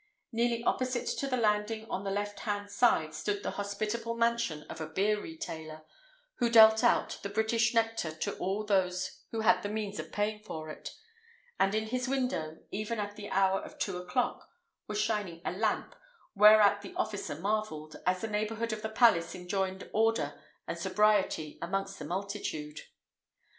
Nearly opposite to the landing on the left hand side stood the hospitable mansion of a beer retailer, who dealt out the British nectar to all those who had the means of paying for it; and in his window, even at the hour of two o'clock, was shining a lamp, whereat the officer marvelled, as the neighbourhood of the palace enjoined order and sobriety amongst the multitude.